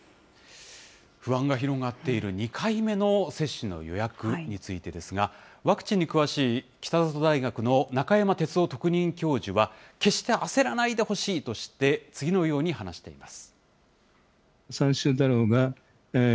不安が広がっている２回目の接種の予約についてですが、ワクチンに詳しい北里大学の中山哲夫特任教授は、決して焦らないでほしいとして、次のように話しています。